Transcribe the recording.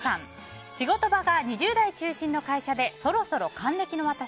仕事場が２０代中心の会社でそろそろ還暦の私。